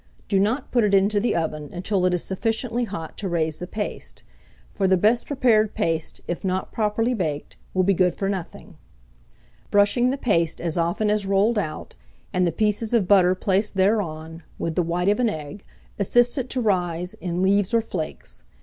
Do not put it into the oven until it is sufficiently hot to raise the paste; for the best prepared paste, if not properly baked, will be good for nothing. Brushing the paste as often as rolled out, and the pieces of butter placed thereon, with the white of an egg, assists it to rise in leaves or flakes.